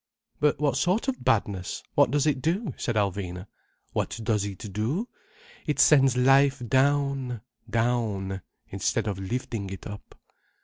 "But what sort of badness? What does it do?" said Alvina. "What does it do? It sends life down—down—instead of lifting it up."